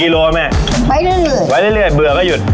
กี่กิโลไหมจะไปเรื่อยเรื่อยไว้เรื่อยเรื่อยเบื่อก็หยุด